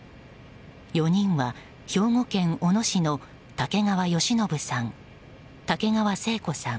４人は兵庫県小野市の竹川好信さん